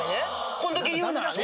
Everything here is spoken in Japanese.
こんだけ言うならね